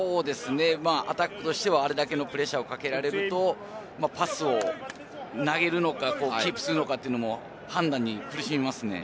アタックとしてはあれだけのプレッシャーをかけられるとパスを投げるのか、キープするのかというのも判断に苦しみますね。